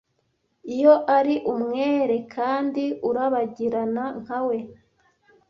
iyo ari umwere kandi urabagirana nka we